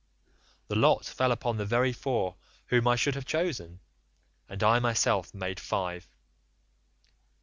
The lot fell upon the very four whom I should have chosen, and I myself made five.